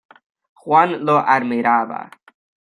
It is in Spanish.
Juan lo admiraba.